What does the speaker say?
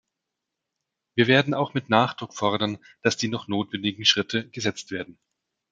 Wir werden auch mit Nachdruck fordern, dass die noch notwendigen Schritte gesetzt werden.